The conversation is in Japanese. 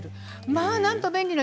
まあなんと便利な。